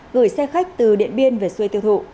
gửi xe khách từ điện biên về xuê tiêu thụ